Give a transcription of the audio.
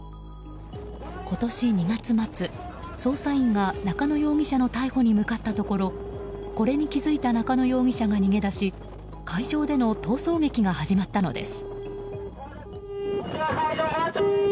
今年２月末、捜査員が中野容疑者の逮捕に向かったところこれに気付いた中野容疑者が逃げ出し海上での逃走劇が始まったのです。